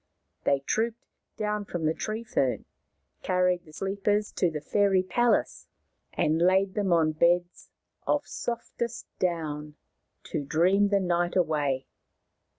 They trooped down from the tree fern, carried the sleepers to the fairy palace, and laid them on beds of softest down to dream the night away.